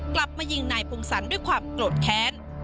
กลับมายิงนายพงศรด้วยความโกรธแค้น